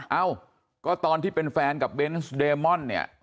เอ้าก็ตอนที่เป็นแฟนกับเบนส์เดมอนเนี่ย